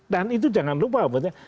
dan itu jangan lupa